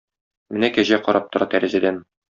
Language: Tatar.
Менә Кәҗә карап тора тәрәзәдән.